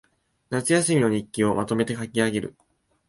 夏休みの日記をまとめて書きあげる